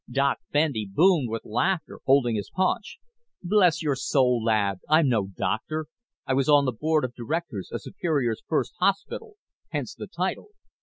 Doc Bendy boomed with laughter, holding his paunch. "Bless your soul, lad, I'm no doctor. I was on the board of directors of Superior's first hospital, hence the title.